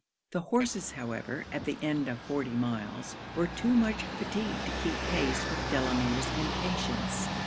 The horses, however, at the end of forty miles, were too much fatigued to keep pace with Delamere's impatience.